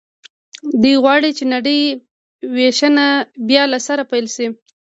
دوی غواړي چې نړۍ وېشنه بیا له سره پیل شي